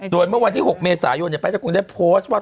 โดยเมื่อวันที่๖เมษายุ่นเนี่ยไปร์ตะกนได้โพสต์ว่า